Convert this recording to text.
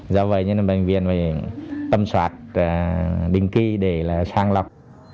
do vậy nên bệnh viện phải tâm soát đình kỳ để sang lọc